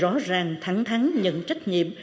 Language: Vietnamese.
rõ ràng thẳng thắng nhận trách nhiệm